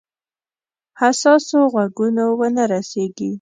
حساسو غوږونو ونه رسیږي.